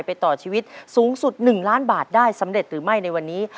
ต่อชีวิตสูงสุด๑ล้านบาทได้สำเร็จหรือไม่ในวันนี้